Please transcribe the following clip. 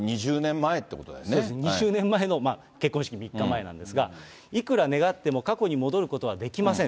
２０年前の結婚式３日前なんですが、いくら願っても、過去に戻ることはできません。